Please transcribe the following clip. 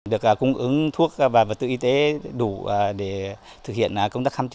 được cung ứng thuốc và vật tự y tế đủ để thực hiện công tác khám trị